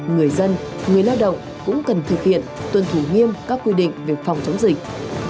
người dân người lao động cũng cần thực hiện tuân thủ nghiêm các quy định về phòng chống dịch